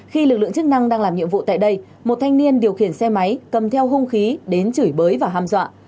khi lực lượng chức năng đang làm nhiệm vụ tại đây một thanh niên điều khiển xe máy cầm theo hung khí đến chửi bới và ham dọa